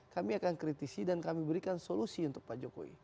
kami akan kritisi dan kami berikan solusi untuk pak jokowi